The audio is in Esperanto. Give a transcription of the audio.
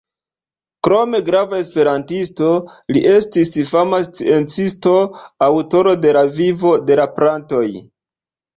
Krom grava esperantisto, li estis fama sciencisto, aŭtoro de “La Vivo de la Plantoj”.